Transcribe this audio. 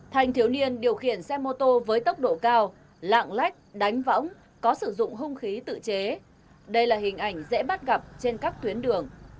thanh thiếu niên điều khiển xe mô tô với tốc độ cao lạng lách đánh võng có sử dụng hung khí tự chế đây là hình ảnh dễ bắt gặp trên các tuyến đường